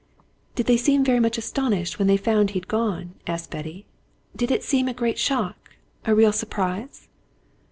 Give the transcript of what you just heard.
"Did they seem very much astonished when they found he'd gone?" asked Betty. "Did it seem a great shock, a real surprise?"